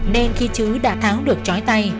nên khi chứ đã tháo được trói tay